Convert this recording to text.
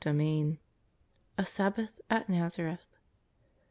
XXL A SABBATH AT NAZAEETH.